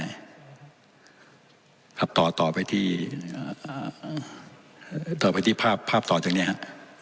ใครก็แน่ครับต่อต่อไปที่อ่าต่อไปที่ภาพภาพต่อจากเนี้ยฮะ